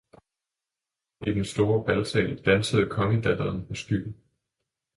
Om aftnen i den store balsal dansede kongedatteren og skyggen.